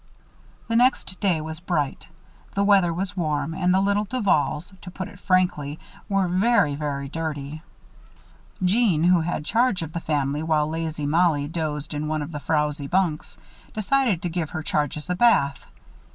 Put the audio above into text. The next day was bright, the weather was warm, and the little Duvals, to put it frankly, were very, very dirty. Jeanne, who had charge of the family while lazy Mollie dozed in one of the frowzy bunks, decided to give her charges a bath.